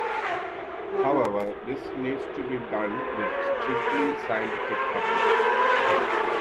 However, this needs to be done with a strictly scientific approach.